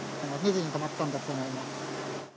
２時に止まったんだと思いま